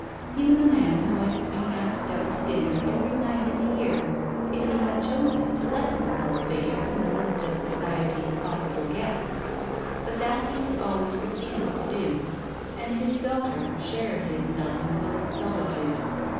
He was a man who might have been asked out to dinner every night in the year if he had chosen to let himself figure in the list of Society's possible guests. But that he had always refused to do, and his daughter shared his self imposed solitude.